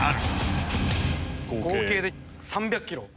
合計で３００ｋｇ。